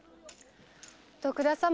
徳田様